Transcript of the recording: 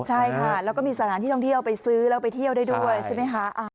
ใช่ค่ะแล้วก็มีสถานที่ท่องเที่ยวไปซื้อแล้วไปเที่ยวได้ด้วยใช่ไหมคะ